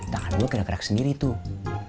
tangan gue gerak gerak sendiri tuh